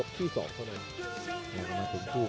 กันต่อแพทย์จินดอร์